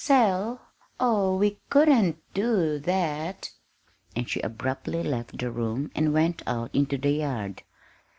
Sell? Oh we couldn't do that!" And she abruptly left the room and went out into the yard.